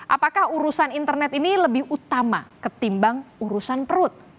apakah urusan internet ini lebih utama ketimbang urusan perut